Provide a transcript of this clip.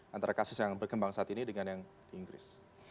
antara kasus yang berkembang saat ini dengan yang di inggris